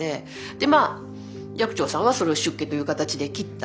でまあ寂聴さんはそれを出家という形で切った。